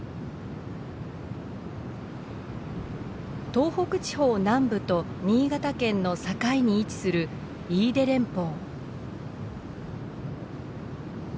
東北地方南部と新潟県の境に位置する飯豊連峰。